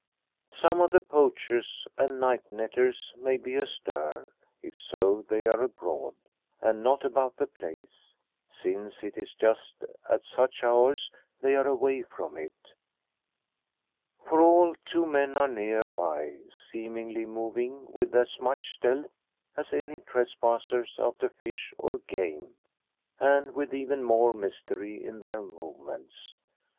Some of the poachers and night netters may be astir. If so they are abroad, and not about the place, since it is just at such hours they are away from it. For all, two men are near by, seemingly moving with as much stealth as any trespassers after fish or game, and with even more mystery in their movements.